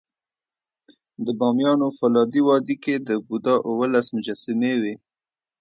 د بامیانو فولادي وادي کې د بودا اوولس مجسمې وې